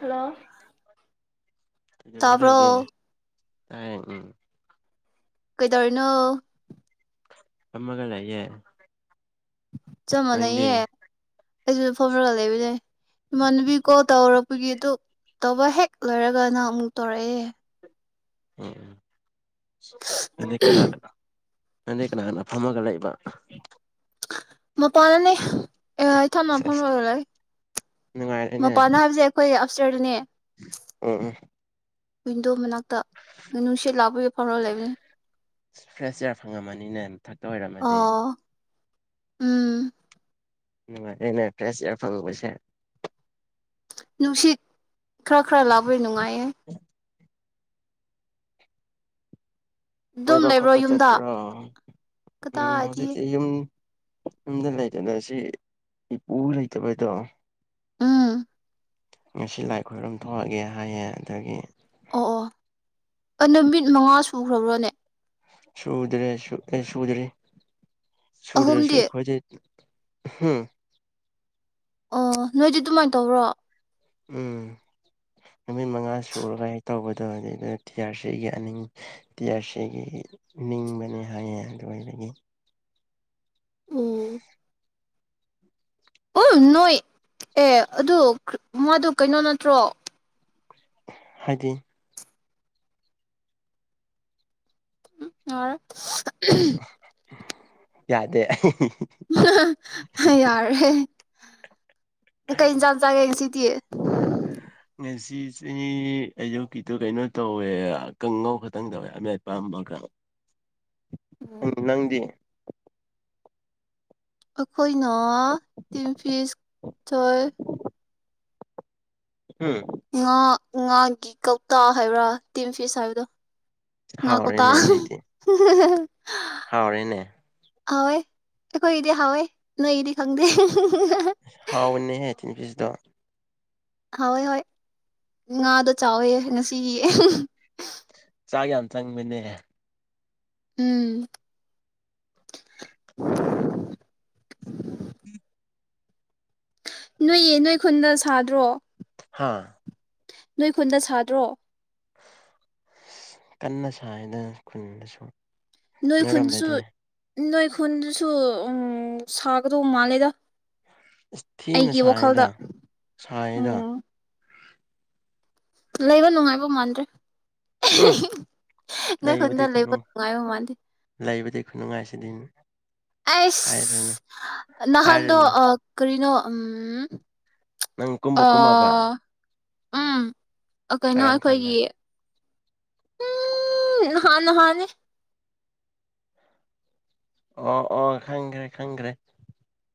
Hello ꯔ ꯇꯥꯕ꯭ꯔꯣ ꯂꯩꯏꯒꯦ ꯇ ꯎꯝ ꯀꯩꯗꯧꯔꯤꯅꯣ ꯀꯃꯒꯌꯦꯦ ꯆꯃꯅꯌꯦꯦ ꯑꯩꯁꯨ ꯐꯝꯅꯒ ꯂꯩꯕꯅꯦ ꯏꯃꯥꯟꯅꯨꯕꯤ ꯀꯣꯜ ꯇꯧꯔꯛꯄꯒꯤ ꯑꯗꯨ ꯇꯧꯕ ꯍꯦꯛ ꯂꯣꯏꯔꯒ ꯅꯍꯪ ꯑꯃꯨꯛ ꯇꯧꯔꯛꯑꯦ ꯎꯝ ꯎꯝ ꯀꯅꯥ ꯀꯅꯥꯣ ꯅꯗ ꯀꯅꯥ ꯀꯅꯥ ꯐꯝꯃꯒ ꯂꯩꯕ ꯃꯄꯥꯅꯅꯦ ꯑꯦ ꯊꯝ ꯃꯐꯝ ꯁꯦꯁ ꯂꯣꯏꯔ ꯂꯩꯣꯏ ꯅꯨꯡꯉꯥꯏꯔꯦꯅꯦ ꯃꯄꯥꯟꯅ ꯍꯥꯏꯕꯁꯦ ꯑꯩꯈꯣꯏ ꯁꯇꯔꯗꯅꯦ ꯑ ꯑ ꯑꯗꯨ ꯃꯅꯥ ꯅꯨꯡꯁꯤꯠ ꯂꯥꯛꯄꯒꯤ ꯐꯥꯎꯔ ꯂꯩꯕꯅꯦ ꯐ꯭ꯔꯦꯁ ꯏꯌꯥꯔ ꯐꯪꯉꯝꯃꯅꯤꯅꯦ ꯃꯊꯛꯇ ꯑꯣꯏꯔꯝꯃꯅꯤ ꯑꯣ ꯎꯝ ꯅꯨꯡꯉꯥꯏꯅꯦꯍꯦ ꯅꯨꯡꯁꯤꯠ ꯈꯔ ꯈꯔꯥ ꯂꯕ ꯅꯨꯡꯉꯥꯏ ꯎꯝ ꯑꯗꯨꯝ ꯀꯣꯏꯕ ꯂꯩꯕ꯭ꯔꯣ ꯈꯣꯠꯄ ꯌꯨꯝꯗ ꯆꯠꯇ꯭ꯔꯣ ꯎꯝ ꯀꯗꯥꯏꯗꯒꯤ ꯍꯧꯖꯤꯛꯇꯤ ꯌꯨꯝ ꯌꯨꯝꯗ ꯂꯩꯗꯅ ꯁꯤ ꯏꯄꯨ ꯂꯩꯇꯕꯩꯗꯣ ꯎꯝ ꯉꯁꯤ ꯂꯥꯏ ꯈꯣꯏꯔꯨꯝ ꯊꯣꯛꯑꯒꯦ ꯍꯥꯏꯌꯦ ꯑꯗꯒꯤ ꯑꯣ ꯑꯣ ꯑ ꯅꯨꯃꯤꯠ ꯃꯉꯥ ꯁꯨꯈ꯭ꯔꯕ꯭ꯔꯣꯅꯦ ꯁꯨꯗꯔꯦ ꯁ ꯁꯨꯗꯔꯤ ꯁꯨꯗ꯭ꯔꯦꯁꯨ ꯑꯍꯨꯝꯗꯤ ꯈꯣꯖꯤꯦ ꯍꯝ ꯑꯣ ꯅꯣꯏꯗꯤ ꯑꯗꯨꯃꯥꯏꯅ ꯇꯧꯕ꯭ꯔꯣ ꯎꯝ ꯅꯨꯃꯤꯠ ꯃꯉꯥ ꯁꯨꯔꯒꯦꯛ ꯇꯧꯕꯗꯣ ꯑꯗꯨꯗꯨ ꯇꯤ ꯑꯥꯔ ꯁꯤꯒꯤ ꯑꯅꯤꯡ ꯇꯤ ꯑꯥꯔ ꯁꯤꯒꯤ ꯅꯤꯡꯕꯅꯤ ꯍꯥꯏꯌꯦꯦ ꯑꯗꯨ ꯑꯣꯏꯕꯒꯤ ꯎꯝ ꯎ ꯅꯣꯏ ꯑꯦ ꯑꯗꯨ ꯃꯥꯗꯨ ꯀꯩꯅꯣ ꯅꯠꯇ꯭ꯔꯣ ꯍꯥꯏꯗꯤ ꯌꯥꯔ [inaudible] ꯌꯥꯗꯦ ꯌꯥꯔ ꯍꯦ ꯀꯩ ꯏ ꯆꯥꯡ ꯆꯒꯦ ꯁꯤ ꯇ ꯁꯤ ꯆꯍꯤ ꯑꯌꯨꯀꯤꯗꯣ ꯀꯩꯅꯣ ꯇꯧꯋꯦ ꯀꯥꯡꯉꯧ ꯈꯛꯇꯪ ꯇꯧꯋꯦ ꯌꯥꯝꯅꯄꯥꯥꯝꯕ ꯈ꯭ꯔ ꯎꯝ ꯅꯪꯗꯤ ꯑꯩꯈꯣꯏꯅ ꯇꯤꯝ ꯐꯤꯁ ꯆꯣꯏ ꯎꯝ ꯉꯥ ꯉꯥꯒꯤ ꯀꯧꯇꯥ ꯍꯥꯏꯕ꯭ꯔꯥ ꯇꯤꯝ ꯐꯤꯁ ꯍꯥꯏꯕꯗꯣ ꯉꯥ ꯇꯧꯇ ꯍꯥꯎꯔꯅꯦ ꯍꯥꯎꯋꯦ ꯑꯩꯈꯣꯏ ꯏꯗꯤ ꯍꯥꯎꯋꯦ ꯅꯣꯏꯗꯤ ꯈꯪꯗꯦ ꯍꯥꯎꯟꯅꯦ ꯍꯥꯏꯦꯇꯤꯟ ꯄ ꯗꯣ ꯍꯣꯏ ꯍꯣꯏ ꯉꯗꯣ ꯆꯥꯎꯋꯦ ꯉꯁꯤꯒꯤ ꯆꯥꯛ ꯌꯥꯝ ꯆꯪꯕꯅꯦ ꯎꯝ ꯅꯣꯏꯌꯦ ꯅꯣꯏ ꯈꯨꯟꯗ ꯁꯥꯗ꯭ꯔꯣ ꯍꯥꯥ ꯅꯣꯏ ꯈꯨꯟꯗ ꯁꯥꯗ꯭ꯔꯣ ꯑ ꯀꯟꯅ ꯁꯥꯏꯗꯅ ꯈꯨꯟꯗꯁꯨ ꯅꯣꯏ ꯈꯨꯟꯗꯁꯨ ꯅꯣꯏꯔꯣꯝꯗꯗꯤ ꯅꯣꯏ ꯈꯨꯟꯗꯨꯁꯨ ꯎꯝ ꯁꯥꯒꯗꯧꯕ ꯃꯥꯜꯂꯦꯗ ꯏꯁꯊꯤꯅ ꯑꯩꯒꯤ ꯋꯥꯈꯜꯗ ꯁꯥꯏꯗ ꯁꯥꯏꯗ ꯎꯝ ꯂꯩꯕ ꯅꯨꯡꯉꯥꯏꯕꯧ ꯃꯥꯟꯗ꯭ꯔꯦ ꯎꯝ ꯅꯣꯏ ꯂꯩꯕꯗꯤ ꯈꯨꯟꯗ ꯂꯩꯕ ꯅꯨꯡꯉꯥꯏꯕ ꯃꯥꯟꯗꯦ ꯈꯨꯅꯨꯡꯉꯥꯏ ꯂꯩꯕꯗꯤ ꯈꯨꯠꯅꯨꯡꯉꯥꯏꯁꯤꯗꯤꯅꯦ꯫ ꯑꯥꯏꯁ ꯅꯍꯥꯟꯗꯣ ꯍꯥꯏꯔꯨꯅꯨ ꯑꯥ ꯀꯔꯤꯅꯣ꯫ ꯎꯝ꯫ ꯅꯪ ꯀꯨꯝꯕ ꯀꯨꯝꯃꯕ꯫ ꯑꯥ ꯎꯝ꯫ ꯑꯥ ꯀꯩꯅꯣ ꯀꯔꯝ ꯀꯥꯟꯗ ꯑꯩꯈꯣꯏꯒꯤ꯫ ꯎꯝ ꯅꯍꯥꯟ ꯅꯍꯥꯟꯅꯦ꯫ ꯑꯣ ꯑꯣ ꯈꯪ꯭ꯔꯦ ꯈꯪ꯭ꯔꯦ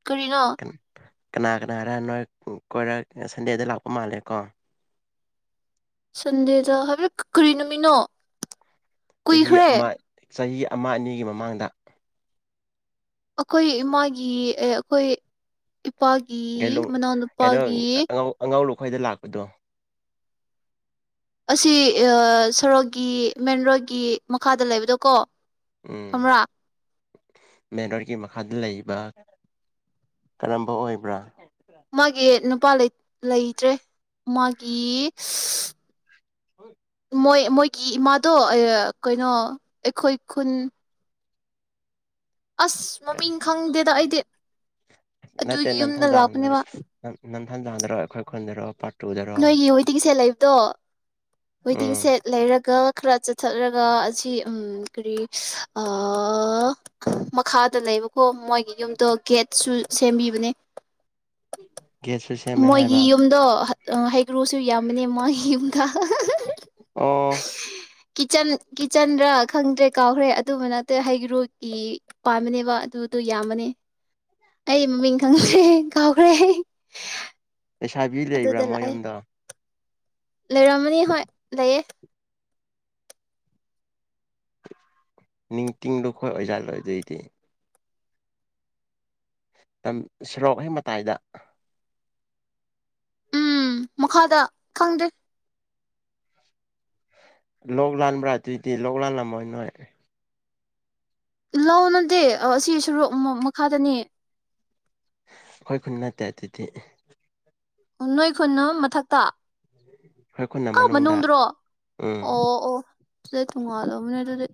ꯀꯔꯤꯅꯣ꯫ ꯀꯅꯥ ꯀꯅꯥꯔ ꯅꯣꯏ ꯀꯣꯏꯔꯛ ꯁꯟꯗꯦꯗ ꯂꯥꯛꯄ ꯃꯥꯜꯂꯦꯀꯣ꯫ ꯁꯟꯗꯦꯗ ꯍꯥꯏꯕꯦꯠ ꯀꯔꯤ ꯅꯨꯃꯤꯠꯅꯣ꯫ ꯆꯍꯤ ꯀꯨꯏꯈ꯭ꯔꯦ ꯑꯃ꯫ ꯆꯍꯤ ꯑꯃ ꯑꯅꯤꯒꯤ ꯃꯃꯥꯡꯗ꯫ ꯑꯩꯈꯣꯏ ꯏꯃꯥꯒꯤ ꯑꯦ ꯑꯩꯈꯣꯏ꯫ ꯏꯄꯥꯒꯤ ꯀꯩꯂꯨꯡ ꯃꯅꯥꯎꯅꯨꯄꯥꯒꯤ꯫ ꯑꯩꯈꯣꯏꯗ ꯂꯥꯛꯄꯗꯣ꯫ ꯑꯁꯤ ꯑꯥ ꯁꯣꯔꯣꯛꯀꯤ ꯃꯦꯟꯔꯣꯗꯀꯤ ꯃꯈꯥꯗ ꯂꯩꯕꯗꯣꯀꯣ꯫ ꯈꯪꯕ꯭ꯔꯥ꯫ ꯃꯦꯟꯔꯣꯗꯀꯤ ꯃꯈꯥꯗ ꯂꯩꯕ ꯀꯔꯝꯕ ꯑꯣꯏꯕ꯭ꯔꯥ꯫ ꯃꯥꯒꯤ ꯅꯨꯞ ꯅꯨꯄꯥ ꯂꯩ ꯂꯩꯇ꯭ꯔꯦ ꯃꯥꯒꯤ꯫ ꯃꯣꯏ ꯃꯣꯏꯒꯤ ꯏꯃꯥꯗꯣ ꯑꯥ ꯀꯩꯅꯣ꯫ ꯑꯩꯈꯣꯏ ꯈꯨꯟ꯫ ꯑꯁ ꯃꯃꯤꯡ ꯈꯪꯗꯦꯗ ꯑꯩꯗꯤ ꯅꯠꯇꯦ ꯑꯗꯨꯒꯤ ꯌꯨꯝꯗ ꯅꯝꯊꯥꯡꯖꯥꯡꯗ ꯂꯥꯛꯄꯅꯦꯕ꯫ [unintelligible] ꯑꯩꯈꯣꯏ ꯈꯣꯟꯗꯔꯣ ꯄꯥꯔꯠ ꯇꯨꯗꯔꯣ ꯅꯣꯏꯒꯤ ꯋꯦꯇꯤꯡ ꯁꯦꯠ ꯂꯩꯕꯗꯣ ꯋꯦꯇꯤꯡ ꯎꯝ ꯁꯦꯠ ꯂꯩꯔꯒ ꯈꯔ ꯆꯠꯊꯔꯒ ꯑꯁꯤ ꯎꯝ꯫ ꯀꯔꯤ꯫ ꯃꯈꯥꯗ ꯂꯩꯕꯀꯣ ꯃꯣꯏꯒꯤ ꯌꯨꯝꯗꯣ꯫ ꯒꯦꯠꯁꯨ ꯁꯦꯝꯕꯤꯕꯅꯦ꯫ [inaudible] ꯁꯦꯝꯃꯦ ꯃꯣꯏꯒꯤ ꯍꯥꯏꯕ ꯌꯨꯝꯗꯣ ꯍꯥ꯫ ꯑꯥ ꯍꯩꯒ꯭ꯔꯨꯁꯨ ꯌꯥꯝꯕꯅꯦ ꯃꯥꯒꯤ ꯌꯨꯝꯗ꯫ ꯑꯣ꯫ ꯀꯤꯠꯆꯟ ꯀꯤꯠꯆꯟꯔ ꯈꯪꯗ꯭ꯔꯦ ꯀꯥꯎꯈ꯭ꯔꯦ ꯑꯗꯨꯝꯕ ꯅꯠꯇꯦ ꯍꯩꯒ꯭ꯔꯨꯀꯤ ꯄꯥꯟꯕꯅꯦꯕ ꯑꯗꯨꯗꯨꯣ ꯌꯥꯝꯕꯅꯤ ꯑꯩ ꯃꯃꯤꯡ ꯈꯪꯗ꯭ꯔꯦ ꯀꯥꯎꯈ꯭ꯔꯦ꯫ ꯂꯩꯁꯥꯕꯤ ꯂꯩꯕ꯭ꯔꯥ ꯃꯣꯏ ꯌꯨꯝꯗ꯫ ꯂꯩꯔꯃꯅꯤ ꯍ ꯂꯩꯏꯌꯦ ꯅꯤꯡꯇꯤꯡꯗꯨꯣꯈꯣꯏ ꯑꯣꯏꯖꯥꯜꯂꯣꯏꯗꯣꯏꯗꯤ ꯁꯣꯔꯣꯛ ꯍꯩ ꯃꯇꯥꯏꯗ ꯎꯝ ꯃꯈꯥꯗ ꯈꯪꯗꯦ ꯂꯣꯛ ꯂꯥꯟꯕ꯭ꯔꯥ ꯑꯗꯨꯏꯗꯤ ꯂꯣꯛ ꯂꯥꯜꯂꯝꯃꯣꯏ ꯅꯣꯏ ꯂꯅꯗꯦ ꯑꯁꯤ ꯁꯣꯔꯨ ꯃꯈꯥꯗꯅꯤ ꯑꯩꯏ ꯈꯨꯟ ꯅꯠꯇꯦ ꯑꯗꯨꯗꯤ ꯅꯣꯏ ꯈꯨꯅ ꯃꯊꯛꯇ [unintelligible] ꯑ ꯃꯅꯨꯡꯗ ꯃꯅꯨꯡꯗ꯭ꯔꯣ ꯎꯝ ꯑꯣ ꯑꯣ ꯁꯤꯗꯤ ꯊꯣꯡꯉꯥꯗꯕꯅꯦ ꯑꯗꯨꯗꯤ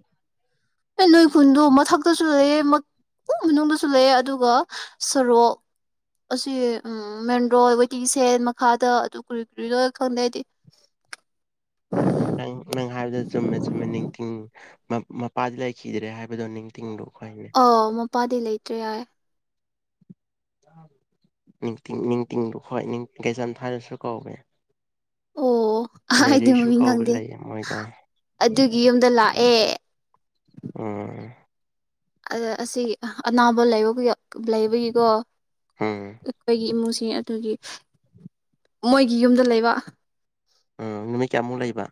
ꯑꯦ ꯅꯣꯏ ꯈꯨꯨꯟꯗꯣ ꯃꯊꯛꯇꯁꯨ ꯂꯩꯑ ꯃꯅꯨꯡꯗꯁꯨ ꯂꯩꯑꯦ ꯑꯗꯨꯒ ꯁꯣꯔꯣꯛ ꯑꯁꯤ ꯃꯦꯟ ꯔꯣ ꯋꯩꯇꯤꯡ ꯁꯦꯟ ꯃꯈꯥꯗ ꯑꯗꯨ ꯀꯨꯔꯤꯏ ꯀꯨꯔꯤ ꯂꯣꯏ ꯈꯪꯗꯦ ꯑꯩꯗꯤ ꯅꯪ ꯅꯪ ꯍꯥꯏꯕꯗ ꯆꯨꯝꯃꯦ ꯆꯨꯝꯃꯦ ꯅꯤꯡꯊꯤ ꯃꯄꯥꯗꯤ ꯂꯩꯈꯤꯗ꯭ꯔꯦ ꯍꯥꯏꯕꯗꯣ ꯅꯤꯡꯇꯤꯡꯗꯨ ꯈꯣꯏꯅꯦ ꯑꯣ ꯃꯣꯄꯥꯥꯗ ꯂꯩ ꯇ꯭ꯔꯦ ꯅꯤꯡꯇꯤꯡꯗꯨ ꯍꯣꯏ ꯀꯩꯆꯝ ꯊꯥꯏꯅꯁꯨ ꯀꯧꯋꯦ ꯑꯣ ꯑꯩꯗꯤ ꯃꯦꯔꯤꯁꯨ ꯃꯃꯤꯡ ꯀꯧꯕ ꯈꯪꯗꯦ ꯂꯩꯌꯦ ꯃꯣꯏꯗꯣ ꯑꯗꯨꯒꯤ ꯌꯨꯝꯗ ꯂꯥꯛꯑꯦ ꯎꯝ ꯑ ꯑꯁꯤ ꯑꯅꯥꯕ ꯂꯩꯕ ꯂꯩꯕꯒꯤꯀꯣ ꯎꯝ ꯑꯩꯈꯣꯏꯒꯤ ꯏꯃꯨꯡꯁꯤꯡ ꯑꯗꯨꯒꯤ ꯃꯣꯏꯒꯤ ꯌꯨꯝꯗ ꯂꯩꯕ ꯎꯝ ꯅꯨꯃꯤꯠ ꯀꯌꯥꯃꯨꯛ ꯂꯩꯕ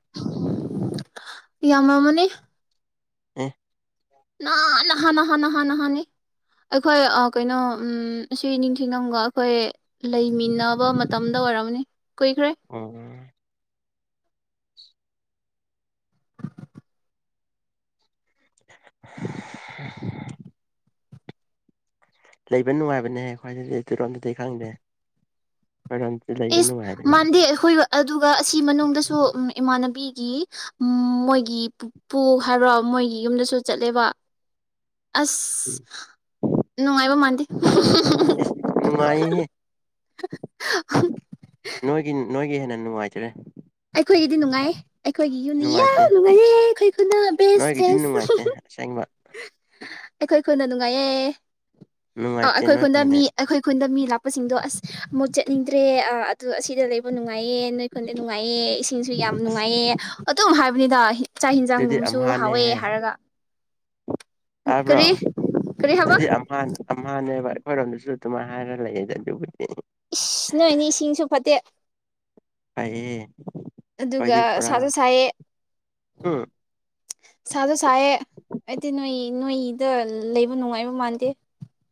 ꯏ ꯑꯃꯔ ꯃꯅꯤ [unintelligible] ꯑꯦ ꯍꯥꯟꯅ ꯍꯥꯟꯅ ꯍꯥꯟꯅ ꯍꯥꯟꯅꯤ ꯑꯩꯈꯣꯏ ꯀꯩꯅꯣ ꯑꯁꯤ ꯅꯤꯡꯊꯤꯅꯝꯒ ꯑꯩꯈꯣꯏ ꯂꯩꯃꯤꯟꯅꯕ ꯃꯇꯝꯗ ꯑꯣꯏꯔꯝꯅꯤ ꯀꯨꯏꯈ꯭ꯔꯦ ꯑꯣ [unintelligible] ꯂꯩꯕ ꯅꯨꯡꯉꯥꯏꯕꯅꯦꯍ ꯈ꯭ꯋꯥꯏꯇꯨꯔꯣꯗꯨꯗꯤ ꯈꯪꯗꯦ ꯈꯣꯏꯔꯣꯝꯗꯗꯤ ꯂꯩꯕ ꯏꯁ ꯅꯨꯡꯉꯥꯏꯕꯅꯦ ꯃꯥꯟꯗꯤ ꯍꯏ ꯑꯗꯨꯒ ꯑꯁꯤ ꯃꯅꯨꯡꯗꯁꯨ ꯏꯃꯥꯟꯅꯕꯤꯒꯤ ꯃꯣꯏꯒꯤ ꯄꯨꯄꯨ ꯍꯥꯏꯔꯣ ꯃꯣꯏꯒꯤ ꯌꯨꯝꯗꯁꯨ ꯆꯠꯂꯦꯕ ꯎꯝ ꯑꯁ ꯅꯨꯡꯉꯥꯏꯕ ꯃꯥꯟꯗꯦ ꯅꯨꯡꯉꯥꯏ ꯅꯣꯏꯒꯤ ꯅꯣꯏꯒꯤ ꯍꯦꯟꯅ ꯅꯨꯡꯉꯥꯏꯖꯔꯦ ꯑꯩꯈꯣꯏꯒꯤꯗꯤ ꯅꯨꯡꯉꯥꯏ ꯑꯩꯈꯣꯏꯒꯤ ꯌꯨꯝꯅꯤ ꯌꯥꯝ ꯅꯨꯡꯉꯥꯏꯇꯦ ꯅꯨꯡꯉꯥꯏꯔꯦ ꯑꯩꯈꯣꯏ ꯈꯨꯅ ꯕꯦ ꯅꯣꯏꯒꯤꯗꯤ ꯅꯨꯡꯉꯥꯏꯇꯦ ꯑꯁꯦꯡꯕ ꯑꯩꯈꯣꯏ ꯈꯨꯅ ꯅꯨꯡꯉꯥꯏꯌꯦꯌꯦ ꯑ ꯅꯨꯡꯉꯥꯏꯇꯦ ꯑꯩꯈꯣꯏ ꯅꯣꯏ ꯈꯨꯟꯗ ꯈꯨꯟꯗꯤ ꯃꯤ ꯑꯩꯈꯣꯏ ꯈꯨꯟꯗ ꯃꯤ ꯂꯥꯛꯄꯁꯤꯡꯗꯣ ꯑꯁ ꯑꯃꯨꯛ ꯆꯠꯅꯤꯡꯗ꯭ꯔꯦ ꯑꯗꯣ ꯑꯁꯤꯗ ꯂꯩꯕ ꯅꯨꯡꯉꯥꯏ ꯅꯨꯡꯉꯥꯏꯌꯦ ꯅꯣꯏꯈꯣꯟꯗ ꯅꯨꯡꯉꯥꯏꯌꯦ ꯏꯁꯤꯡꯁꯨ ꯌꯥꯝ ꯑꯁ ꯅꯨꯡꯉꯥꯏꯌꯦ ꯑꯗꯨꯝ ꯍꯥꯏꯕꯅꯤꯗ ꯆꯥꯛ ꯑꯗꯨꯗꯤ ꯍꯟꯖꯥꯡꯒꯨꯝꯁꯨ ꯍꯥꯎꯋꯦ ꯍꯥꯏꯔꯒ ꯍꯥꯏꯥꯕ꯭ꯔꯣ ꯀꯔꯤ ꯀꯔꯤ ꯍꯥꯏꯕ ꯑꯗꯨꯗꯤꯅꯦꯕ ꯍꯣꯏꯔꯣꯝꯗꯨꯁꯨ ꯑꯗꯨꯃꯥꯏ ꯍꯥꯏꯔ ꯂꯩꯌꯦ ꯑꯗꯨꯕꯨꯗꯤ ꯏ ꯅꯣꯏꯅꯦ ꯏꯁꯤꯡꯁꯨ ꯐꯠꯇꯦ ꯑꯩꯌꯦ ꯑꯗꯨꯒ ꯁꯥꯁꯨ ꯁꯥꯏꯑꯦ ꯍꯨꯝ ꯁꯥꯁꯨ ꯁꯥꯏꯑꯦ ꯑꯩꯗꯤ ꯅꯣꯏ ꯅꯣꯏꯗ ꯂꯩꯕ ꯅꯨꯡꯉꯥꯏꯕ ꯃꯥꯟꯗꯦ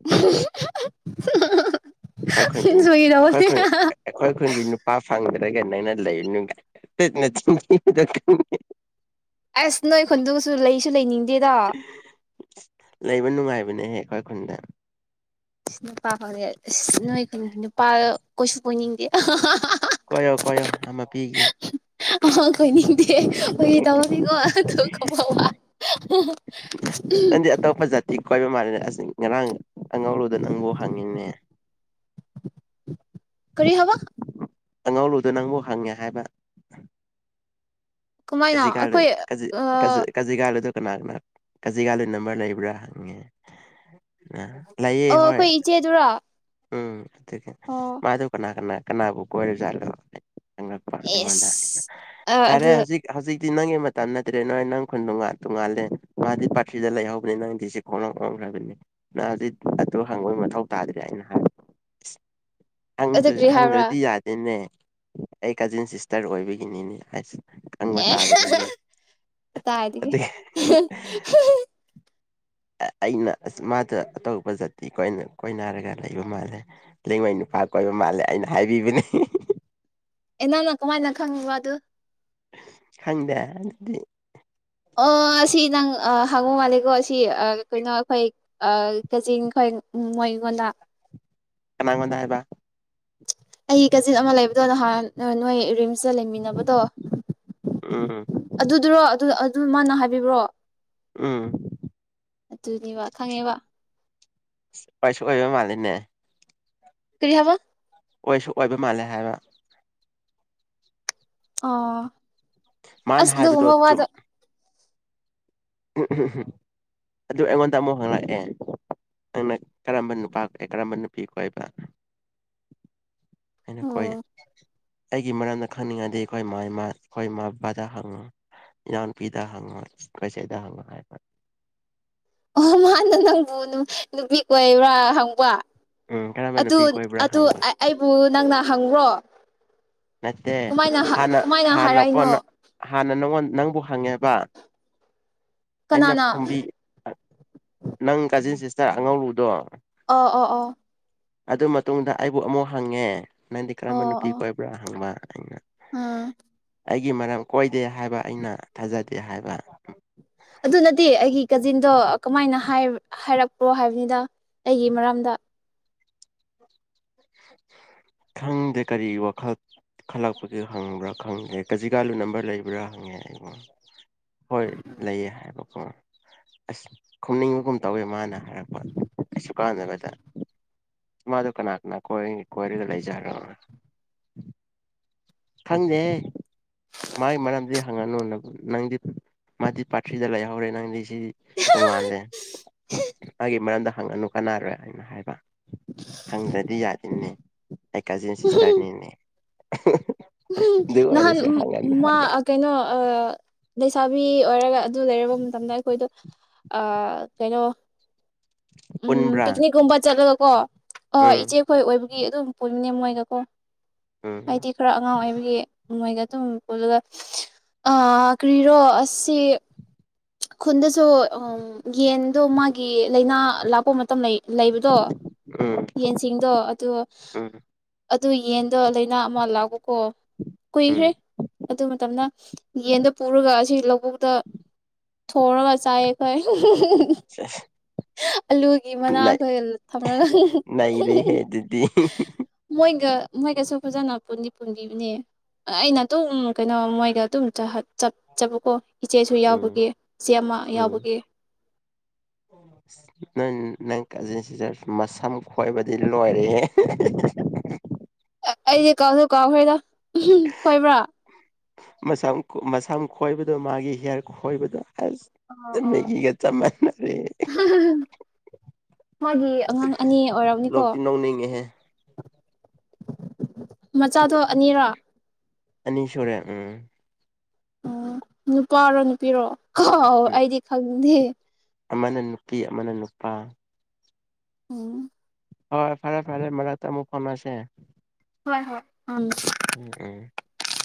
[unintelligible] [inaudible] [unintelligible] ꯈ ꯈ ꯀ ꯐꯥꯒꯤ ꯈ ꯇꯧꯕꯅꯦ ꯈ ꯈ ꯀ ꯅꯨꯄꯥ ꯁ ꯂꯩꯅꯨꯡ ꯑꯁ ꯅꯣꯏ ꯈꯨꯟꯗꯨꯁꯨ ꯂꯩꯁꯨ ꯂꯩꯅꯤꯡꯗ ꯗ ꯅꯨꯡꯉꯥꯏꯕꯅꯦ ꯍꯦ ꯈꯣꯏ ꯈꯗ ꯅꯨꯄꯥ ꯍꯧꯔꯦ ꯑ ꯅꯣꯏ ꯈꯨꯟꯒꯤ ꯅꯨꯄꯥ ꯀꯩꯁꯨ ꯀꯣꯏꯅꯤꯡꯗꯦ ꯀꯣꯏꯌꯣ ꯀꯣꯏꯌꯣ ꯑꯃ ꯄꯤꯒꯦ ꯑ ꯀꯣꯏꯅꯤꯡꯗꯦ ꯑꯣꯏ ꯇꯃꯅꯤꯀꯣ ꯊ ꯀꯃ ꯅꯪꯗꯤ ꯑꯇꯣꯞꯄ ꯖꯥꯇꯤ ꯀꯣꯏꯕ ꯃꯥꯜꯂꯦꯅꯦ ꯑꯁ ꯉꯔꯥꯡ ꯑꯉꯧꯔꯨꯗ ꯅꯪꯕꯨ ꯍꯪꯉꯤꯅꯦ ꯀꯔꯤ ꯍꯥꯕ ꯑꯉꯥꯎ ꯂꯨꯗ ꯅꯪꯕꯨ ꯍꯪꯉꯦ ꯍꯥꯏꯕ ꯀꯃꯥꯏꯅ ꯀꯖꯤ ꯀꯂ ꯑꯩꯈꯣꯏ ꯀꯖꯤ ꯑ ꯀꯖꯤ ꯀꯖꯤ ꯀꯥꯂꯗ ꯀꯅꯥ ꯀꯅꯥ ꯀꯥꯖꯤꯒꯥꯗ ꯅꯝꯕꯔ ꯂꯩꯕ꯭ꯔꯥ ꯍꯪꯉꯦ ꯑ ꯑꯣ ꯑꯩꯈꯣꯏ ꯏꯆꯦꯗꯨꯔ ꯑꯥ ꯦ ꯃꯥꯥꯏꯗꯧ ꯀꯅꯥ ꯀꯅꯥ ꯀꯅꯥꯕꯨ ꯀ ꯋꯥꯔꯤꯔ ꯆ ꯆꯛꯄ ꯑꯩꯉꯣꯟꯗ ꯑꯦꯁ ꯑ ꯌꯥꯔꯦ ꯑꯗꯨ ꯍꯧꯖꯤꯛ ꯍꯧꯖꯤꯛꯇꯤ ꯅꯪꯒꯤ ꯃꯇꯝ ꯅꯠꯇ꯭ꯔꯦ ꯅꯣꯏ ꯅꯪ ꯈꯨꯟꯗꯣ ꯉ ꯇꯣ ꯉꯥꯜꯂꯦ ꯃꯥꯗꯤ ꯄꯥꯔꯊ꯭ꯤꯗ ꯂꯩꯍꯧꯕꯅꯤ ꯅꯪꯗꯤ ꯁꯤ ꯈꯣꯡꯅ ꯉꯈ꯭ꯔꯕꯅꯤ ꯅꯪ ꯍꯧꯖꯤꯛ ꯑꯗꯨ ꯍꯪꯕꯒꯤ ꯃꯊꯧ ꯇꯥꯗ꯭ꯔꯦ ꯑꯩꯅ ꯍꯥꯏꯕ ꯑꯗꯨ ꯀꯔꯤ ꯍꯥꯏꯕ꯭ꯔꯥ ꯍꯪꯗ꯭ꯔꯗꯤ ꯌꯥꯗꯦꯅꯦ ꯑꯩ ꯀꯥꯖꯤꯟ ꯁꯤꯁꯇꯔ ꯑꯣꯏꯕꯒꯤꯅꯤꯅꯦ ꯍꯩꯁ ꯀꯇꯥꯏꯗꯒꯤ ꯑꯗꯨꯒꯤ ꯑꯩꯅꯁ ꯃꯥꯗ ꯑꯇꯣꯞꯄ ꯖꯥꯇꯤ ꯀꯣꯏꯅ ꯀꯣꯏꯅꯔꯒ ꯂꯩꯕ ꯃꯥꯜꯂꯦ ꯂꯩꯉꯣꯏ ꯅꯨꯄꯥ ꯀꯣꯏꯕ ꯃꯥꯜꯂꯦ ꯑꯩꯅ ꯍꯥꯏꯕꯤꯕꯅꯤ ꯑꯦ ꯅꯪꯅ ꯀꯃꯥꯏꯅ ꯈꯪꯉꯤꯕ ꯑꯗꯨ ꯈꯪꯗꯦ ꯑꯗꯨꯗꯤ ꯑꯣ ꯁꯤ ꯅꯪ ꯍꯉꯨ ꯃꯥꯂꯦꯒꯣ ꯑꯁꯤ ꯁꯤ ꯀꯩꯅꯣ ꯑꯩꯈꯣꯏ ꯀꯆꯤꯡ ꯈꯣꯏ ꯃꯣꯏꯒꯣꯟꯅ ꯁꯅꯥꯒꯣꯟꯗ ꯍꯥꯏꯕ ꯑꯩ ꯀꯥꯖꯤꯟ ꯑꯃ ꯂꯩꯕꯗꯣ ꯅꯍꯥꯟ ꯅꯣꯏ ꯔꯤꯝꯁꯇ ꯂꯩꯃꯤꯟꯅꯕꯗꯣ ꯎꯝ ꯑꯗꯨꯗꯨ꯭ꯔꯣ ꯑꯗꯨ ꯑꯗꯨ ꯃꯥꯅ ꯍꯥꯏꯕꯤꯕ꯭ꯔꯣ ꯎꯝ ꯑꯗꯨꯅꯦ ꯋꯥ ꯈꯪꯉꯦꯕ ꯀꯩꯁꯨ ꯑꯣꯏꯕ ꯃꯥꯜꯂꯤꯅꯦ ꯀꯔꯤ ꯍꯥꯏꯕ ꯑꯣꯏꯁꯨ ꯑꯣꯏꯕ ꯃꯥꯜꯂꯦ ꯍꯥꯏꯕ ꯑ ꯃꯥꯅ ꯑꯁ ꯍꯥꯏꯕꯗꯣ ꯑꯗꯨꯃ ꯆꯨꯝ ꯋꯥꯗ ꯑꯗꯨ ꯑꯩꯉꯣꯟꯗ ꯑꯃꯨꯛ ꯍꯪꯂꯛꯑꯦ ꯅꯪꯅ ꯀꯔꯝꯕ ꯅꯨꯄꯥ ꯀꯔꯝꯕ ꯅꯨꯄꯤ ꯀꯣ ꯍꯥꯏꯕ ꯑꯩꯅꯀꯣꯏ ꯑꯣ ꯑꯩꯒꯤ ꯃꯔꯝꯗ ꯈꯪꯅꯤꯡꯉꯗꯤ ꯑꯩꯈꯣꯏ ꯏꯃꯥ ꯏꯃꯥ ꯑꯩꯈꯣꯏ ꯏꯃꯥ ꯕꯕꯥꯗ ꯍꯪꯉꯣ ꯏꯅꯥꯎꯅꯨꯄꯤꯗ ꯍꯪꯉꯣ ꯀꯩ ꯍꯜꯂꯣ ꯍꯥꯏ ꯐꯥꯏ ꯑꯣ ꯃꯥꯅ ꯅꯪꯕꯨ ꯅꯨꯄꯤ ꯑꯣꯏꯕ꯭ꯔꯥ ꯍꯪꯕ ꯎꯝ ꯀꯔꯝꯕ ꯑꯗꯨ ꯅꯨꯄꯤ ꯀꯣꯏꯕ꯭ꯔꯥ ꯑꯗꯨ ꯍꯪꯕ ꯑꯩꯕꯨ ꯅꯪꯅ ꯍꯪꯉ꯭ꯔꯣ ꯃꯠꯇꯦ ꯍꯅ ꯀꯃꯥꯏꯅ ꯍꯅ ꯍꯥꯏꯔꯛꯏꯅꯣ ꯀꯣꯟꯅ ꯍꯅꯅ ꯅꯪꯕꯨ ꯍꯪꯉꯦꯕ ꯑꯩꯅ ꯀꯅꯥꯅ ꯐꯣꯝꯕꯤ ꯅꯪ ꯀꯥꯖꯤꯟꯁꯤ ꯆꯆꯥ ꯑꯉꯔꯨꯗꯣ ꯑꯣ ꯑꯣ ꯑꯣ ꯑꯗꯨ ꯃꯇꯨꯡꯗ ꯑꯩꯕꯨ ꯑꯃꯨꯛ ꯍꯪꯉꯦ ꯅꯗꯤ ꯀꯔ ꯃꯦꯟ ꯅꯨ ꯄꯤꯀꯣꯏ ꯍ ꯑꯝ ꯑꯩꯒꯤ ꯃꯔꯝ ꯀꯣꯏꯗꯦ ꯍꯥꯏꯕ ꯑꯩꯅ ꯊꯥꯖꯗꯦ ꯍꯥꯏꯕ ꯑꯗꯨꯅꯗꯤꯦ ꯑꯩꯒꯤ ꯀꯖꯤꯟ ꯑꯗꯣ ꯀꯃꯥꯏꯅ ꯍꯥꯏꯔꯛꯄ꯭ꯔꯣ ꯍꯥꯏꯕꯅꯤꯗ ꯑꯩꯒꯤ ꯃꯔꯝꯗ ꯈꯪꯗꯦ ꯀꯔꯤ ꯋꯥꯈꯜ ꯈꯜꯂꯛꯄꯒꯤ ꯍꯪꯕ꯭ꯔꯥ ꯈꯪꯗꯦ ꯀꯖꯤꯒꯥꯥꯂꯨ ꯅꯝꯕꯔ ꯂꯩꯕ꯭ꯔꯥ ꯍꯪꯉꯦ ꯑꯩꯕꯣ ꯍꯣꯏ ꯂꯩꯌꯦ ꯍꯥꯏꯕꯀꯣ ꯑꯁ ꯈꯨꯝꯅꯤꯡꯕꯒꯨꯝ ꯇꯧꯋꯦ ꯃꯥꯅ ꯁꯨ ꯀꯥꯦꯇ [unintelligible] ꯃꯥꯗꯨ ꯀꯅꯥꯒ ꯅꯅꯥ ꯀ [unintelligible] ꯀꯣꯏꯔꯤꯗ ꯂꯩ ꯆꯔꯣ [unintelligible] ꯈꯪꯗꯦꯍ ꯃꯥꯒꯤ ꯃꯔꯝꯗꯤ ꯍꯪꯉꯅꯨ ꯅꯕꯨ ꯅꯪꯗꯤ ꯃꯥꯗꯤ ꯄꯥꯔꯊ꯭ꯔꯤꯗ ꯂꯩꯍꯧꯔꯦ ꯅꯪꯗꯤ ꯁꯤ ꯇꯣꯉꯥꯜꯂꯦ ꯃꯥꯒꯤ ꯃꯔꯝꯗ ꯍꯪꯉꯅꯨ ꯀꯅꯥꯔꯣꯏ ꯑꯅ ꯍꯥꯏꯕ ꯍꯪꯗ꯭ꯔꯗꯤ ꯌꯥꯗꯤꯅꯦ ꯑꯩ ꯀꯖꯤꯟ ꯁꯤꯁꯇꯔꯅꯤꯅꯦ [unintelligible] ꯎꯝ ꯑꯗꯨ ꯅꯍꯥꯟ ꯑꯣꯏꯔꯁꯨ ꯍꯪꯉꯅꯨ ꯃꯥ ꯍꯥꯏꯕ ꯀꯩꯅꯣ ꯑꯁꯥ ꯃꯤ ꯑꯣꯏꯔꯒ ꯑꯗꯨ ꯂꯩꯔꯕ ꯃꯇꯝꯗ ꯑꯩꯈꯣꯏꯗꯣ ꯀꯩꯅꯣ ꯎꯝ ꯄꯨꯟꯕ꯭ꯔꯥ ꯄꯤꯛꯅꯤꯛ ꯀꯨꯝꯕ ꯆꯠꯂꯣ ꯀ‌ꯣ ꯑꯣ ꯎꯝ ꯏꯆꯦꯈꯣꯏ ꯑꯣꯏꯕ ꯑꯗꯨꯝ ꯄꯨꯅꯦꯦꯝ ꯃꯣꯏꯒꯀꯣ ꯎꯝ ꯍꯥꯏꯗꯤ ꯈꯔ ꯑꯉꯥꯡ ꯑꯣꯏꯕꯒꯤ ꯃꯣꯏꯒ ꯑꯗꯨꯝꯣ ꯑꯗꯨꯒ ꯀ꯭ꯔꯤꯔꯣ ꯑꯁꯤ ꯈꯨꯟꯗꯥꯁꯨ ꯌꯦꯟꯗꯣ ꯃꯥꯒꯤ ꯂꯩꯏꯅꯥ ꯂꯥꯛꯄ ꯃꯇꯝ ꯂꯩ ꯂꯩꯕꯗꯣ ꯎꯝ ꯌꯦꯟꯁꯤꯡꯗꯣ ꯑꯗ‌ꯣ ꯎꯝ ꯑꯗꯨ ꯌꯦꯟꯗ‌ꯣ ꯂꯥꯏꯅꯥ ꯑꯃ ꯂꯥꯛꯄ ꯀꯣ ꯀꯨꯏꯈ꯭ꯔꯦ ꯎꯝ ꯑꯗꯨ ꯃꯇꯝꯗ ꯌꯦꯟꯗ ꯄꯨꯔꯒ ꯑꯁꯤ ꯂꯧꯕꯨꯛꯇ ꯊꯣꯡꯔꯥꯒ ꯆꯥꯏ ꯑꯩꯈ‌ꯣꯏ ꯑ ꯑꯂꯨꯒꯤ ꯃꯅꯥꯈꯣꯏ ꯊꯝꯔꯒ ꯅꯩꯔꯦꯍꯦ ꯑꯗꯨꯗꯤ ꯃꯣꯏꯒ ꯃꯣꯏꯒꯁꯨ ꯐꯖꯅ ꯄꯨꯟꯗꯤ ꯄꯨꯟꯕꯤꯅꯦ ꯑꯩꯅ ꯑꯗꯨꯝ ꯀꯩꯅꯣ ꯃꯣꯏꯒ ꯑꯗꯨꯝ ꯆꯠꯆꯕꯀꯣ ꯏꯆꯦꯁꯨ ꯎꯝ ꯌꯥꯎꯕꯒꯤ ꯏꯆꯦ ꯑꯃ ꯌꯥꯎꯕꯒꯤ ꯅꯣꯏ ꯅꯪ ꯀꯥꯖꯤꯟ ꯁꯤꯇꯔ ꯃꯁꯝ ꯈꯣꯏꯕꯗꯤ ꯂꯣꯏꯔꯛꯑꯦ ꯑꯩꯗꯤ ꯀꯥꯎꯁꯨ ꯀꯥꯎꯈ꯭ꯔꯦꯗꯥ ꯈꯣꯏꯕ꯭ꯔꯥ ꯁ ꯃꯁꯝ ꯈꯣꯏꯕꯗꯣ ꯃꯥꯒꯤ ꯍꯤꯌꯥꯔ ꯈꯣꯏꯕꯗꯣ ꯑꯣ ꯑꯁ ꯑꯣ ꯃꯦꯒꯤꯒ ꯆꯞ ꯃꯥꯟꯅꯔꯦ ꯃꯥꯒꯤ ꯑꯉꯥꯡ ꯑꯅꯤ ꯑꯣꯏꯔꯝꯅꯤꯀꯣ ꯂꯣꯛꯇꯤ ꯅꯧꯅꯤꯡꯉꯦꯍꯦ ꯃꯆꯥꯗꯣ ꯑꯅꯤꯔꯥ ꯑꯅꯤꯁꯨꯔꯦ ꯎꯡ ꯎꯝ ꯅꯨꯄꯥꯔꯣ ꯅꯨꯄꯤꯔꯣ ꯍ ꯑꯩꯗꯤ ꯈꯪ ꯍ ꯑꯃꯥꯅ ꯅꯨꯄꯤ ꯑꯃꯥꯅ ꯅꯨꯄꯥ ꯎꯡ ꯍꯣꯏ ꯐꯔꯦ ꯐꯔꯦ ꯃꯔꯛꯇ ꯑꯃꯨꯛ ꯐꯥꯎꯅꯥꯁꯦ ꯍꯣꯏ ꯍꯣꯏ ꯎꯝ ꯎꯡ ꯎꯡ